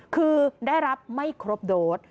คือได้รับไม่ครบโดส